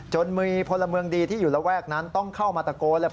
จนมีพลเมืองดีที่อยู่ระแวกนั้นต้องเข้ามาตะโกนเลย